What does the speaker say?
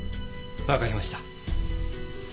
わかりました。